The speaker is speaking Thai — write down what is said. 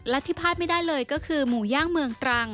และที่พลาดไม่ได้เลยก็คือหมูย่างเมืองตรัง